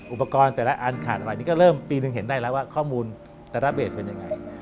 อุปกรณ์อันขาดอันหมายปีนึงเราก็ได้ได้ว่าข้อมูลปฏิบาลเห็นได้ไง